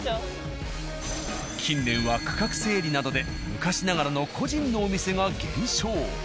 近年は区画整理などで昔ながらの個人のお店が減少。